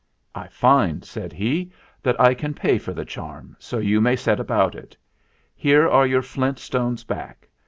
"I find," said he, "that I can pay for the charm, so you may set about it. Here are your flint stones back.